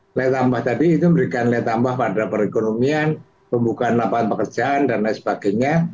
nilai tambah tadi itu memberikan nilai tambah pada perekonomian pembukaan lapangan pekerjaan dan lain sebagainya